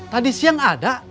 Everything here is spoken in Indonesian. tadi siang ada